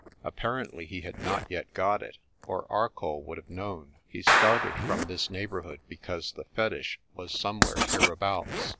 Apparently he had not yet got it, or Arcoll would have known. He started from this neighbourhood because the fetich was somewhere hereabouts.